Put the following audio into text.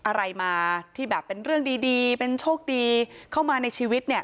อะไรมาที่แบบเป็นเรื่องดีเป็นโชคดีเข้ามาในชีวิตเนี่ย